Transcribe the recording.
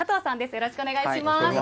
よろしくお願いします。